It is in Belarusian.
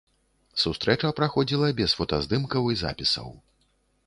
Сустрэча праходзіла без фотаздымкаў і запісаў.